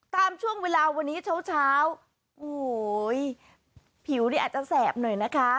ตามช่วงเวลาวันนี้เช้าผิวนี่อาจจะแสบหน่อยนะคะ